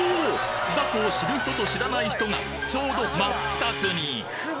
酢だこを知る人と知らない人がちょうど真っ二つに！